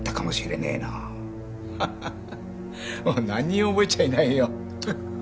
ハハハなんにも覚えちゃいないよ。